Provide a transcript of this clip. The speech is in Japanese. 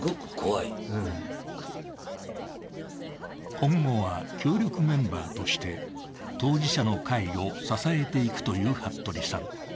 今後は協力メンバーとして当事者の会を支えていくという服部さん。